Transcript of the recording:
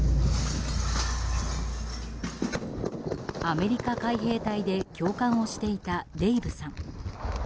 アメリカ海兵隊で教官をしていたデイブさん。